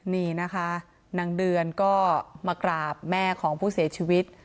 นี่นะคะนางเดือนก็มากราบแม่ของผู้เสียชีวิต